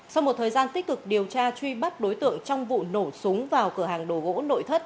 sau một thời gian tích cực điều tra truy bắt đối tượng trong vụ nổ súng vào cửa hàng đồ gỗ nội thất